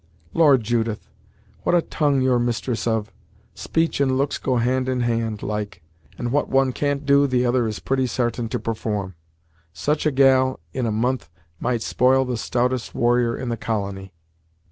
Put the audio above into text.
"Lord, Judith, what a tongue you're mistress of! Speech and looks go hand in hand, like, and what one can't do, the other is pretty sartain to perform! Such a gal, in a month, might spoil the stoutest warrior in the colony."